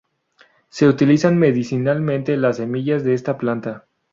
Se utilizan medicinalmente las semillas de esta planta.